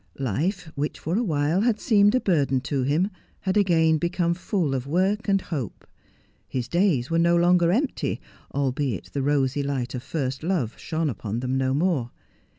Life, which for a while had Morton s Brilliant Idea. 287 seemed a burden to him, had again become full of work and hope. His days were no longer empty, albeit the rosy light of first love shone upon them no more.